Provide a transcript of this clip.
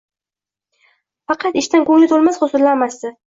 Faqat ishidan ko'ngli to'lmas, xuzurlanmasdi.